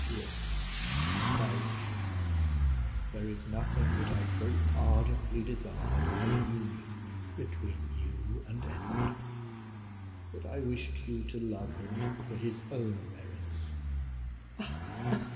"Yes my wishes; there is nothing that I so ardently desired as a union between you and Edward; but I wished you to love him for his own merits."